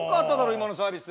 今のサービス。